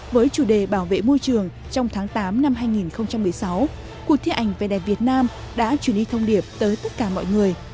với chủ đề bảo vệ môi trường trong tháng tám năm hai nghìn một mươi sáu cuộc thi ảnh về đẹp việt nam đã truyền đi thông điệp tới tất cả mọi người